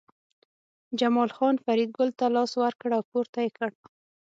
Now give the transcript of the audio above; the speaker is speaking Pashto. جمال خان فریدګل ته لاس ورکړ او پورته یې کړ